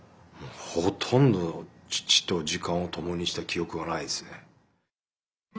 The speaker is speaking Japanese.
ほとんど父と時間を共にした記憶はないですね。